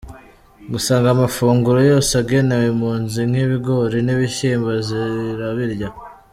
Gusa ngo amafunguro yose agenewe impunzi nk’ibigori n’ibishyimbo zirabirya.